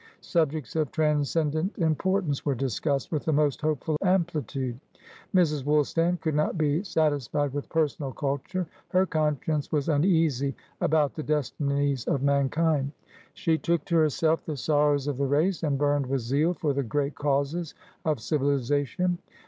Subjects of transcendent importance were discussed with the most hopeful amplitude. Mrs. Woolstan could not be satisfied with personal culture; her conscience was uneasy about the destinies of mankind; she took to herself the sorrows of the race, and burned with zeal for the great causes of civilisation.